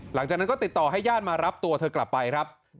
หลังจากนั้นก็ติดต่อให้ญาติมารับตัวเธอกลับไปครับ